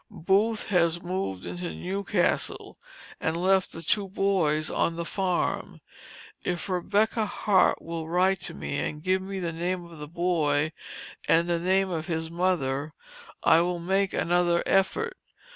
Booth has moved into New Castle, and left the two boys on the farm. If Rebecca Hart will write to me, and give me the name of the boy, and the name of his mother, I will make another effort.